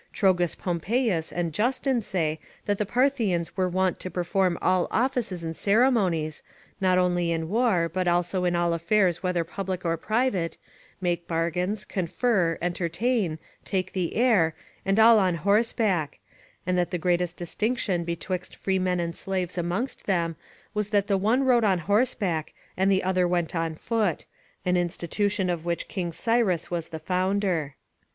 Trogus Pompeius and Justin say that the Parthians were wont to perform all offices and ceremonies, not only in war but also all affairs whether public or private, make bargains, confer, entertain, take the air, and all on horseback; and that the greatest distinction betwixt freemen and slaves amongst them was that the one rode on horseback and the other went on foot, an institution of which King Cyrus was the founder.